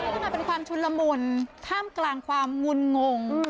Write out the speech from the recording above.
นี่มันเป็นความชุนละมุนท่ามกลางความงุนงง